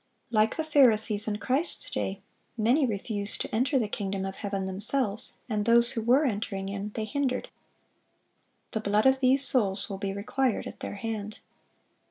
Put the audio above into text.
Like the Pharisees in Christ's day, many refused to enter the kingdom of heaven themselves, and those who were entering in, they hindered. The blood of these souls will be required at their hand.